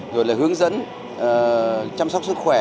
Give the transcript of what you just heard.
rồi là hướng dẫn chăm sóc sức khỏe